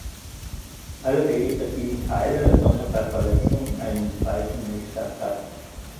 Alle vegetativen Teile sondern bei Verletzung einen weißen Milchsaft ab.